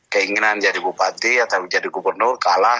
keinginan jadi bupati atau jadi gubernur kalah